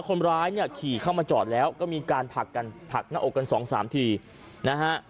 คนร้ายเนี่ยขี่เข้ามาจอดแล้วก็มีการผลักกันผลักหน้าอกกันสองสามทีนะฮะ